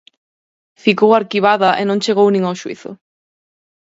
Ficou arquivada e non chegou nin a xuízo.